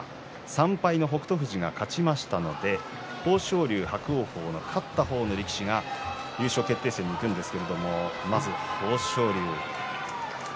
３敗の北勝富士が勝ちましたので豊昇龍、伯桜鵬の勝った方の力士が優勝決定戦にいくんですがまずは豊昇龍。